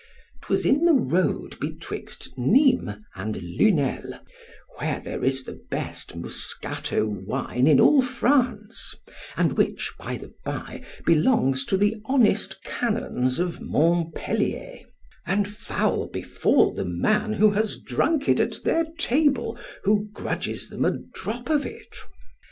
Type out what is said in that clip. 'Twas in the road betwixt Nismes and Lunel, where there is the best Muscatto wine in all France, and which by the bye belongs to the honest canons of MONTPELLIER—and foul befal the man who has drunk it at their table, who grudges them a drop of it.